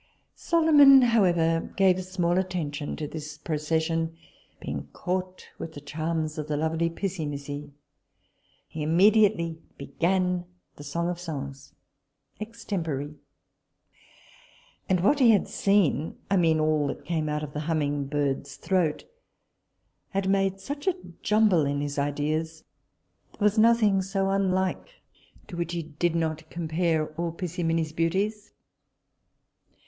Solomon, however, gave small attention to this procession, being caught with the charms of the lovely Pissimissi: he immediately began the song of songs extempore; and what he had seen I mean, all that came out of the humming bird's throat had made such a jumble in his ideas, that there was nothing so unlike to which he did not compare all Pissimissi's beauties.